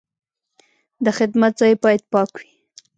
د خدمت ځای باید پاک وي.